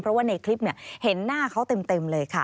เพราะว่าในคลิปเห็นหน้าเขาเต็มเลยค่ะ